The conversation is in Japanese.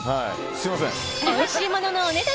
おいしいもののお値段